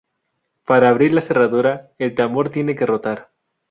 Para abrir la cerradura, el tambor tiene que rotar.